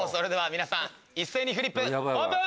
皆さん一斉にフリップオープン。